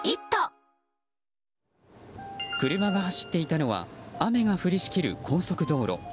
車が走っていたのは雨が降りしきる高速道路。